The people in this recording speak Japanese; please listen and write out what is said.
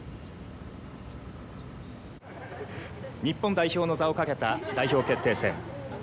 日本代表の座をかけた代表決定戦。